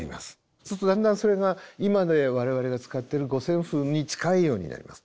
そうするとだんだんそれが今で我々が使ってる五線譜に近いようになります。